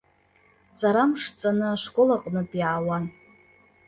Ҵарамш ҵаны, ашкол аҟнытә иаауан.